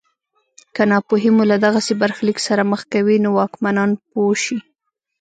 که ناپوهي مو له دغسې برخلیک سره مخ کوي نو واکمنان پوه شي.